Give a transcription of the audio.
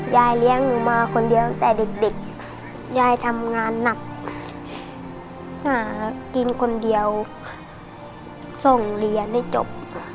ยายเลี้ยงหนูมาคนเดียวตั้งแต่เด็กยายทำงานหนักหากินคนเดียวส่งเรียนให้จบ